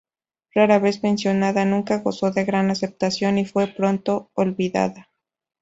Rara vez mencionada, nunca gozó de gran aceptación y fue pronto olvidada.